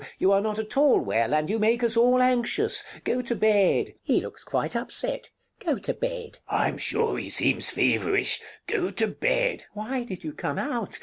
You are not at all well, and you make us all anxious. Go to bed. Figaro He looks quite upset. Go to bed. Bartolo I'm sure he seems feverish. Go to bed. Rosina Why did you come out?